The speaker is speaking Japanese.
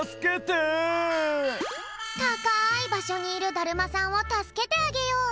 たかいばしょにいるだるまさんをたすけてあげよう！